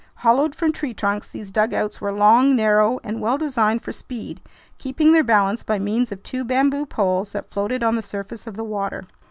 Hollowed from tree trunks, these dugouts were long, narrow, and well designed for speed, keeping their balance by means of two bamboo poles that floated on the surface of the water.